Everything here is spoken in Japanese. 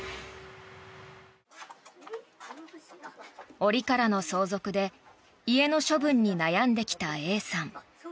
折からの相続で家の処分に悩んできたＡさん。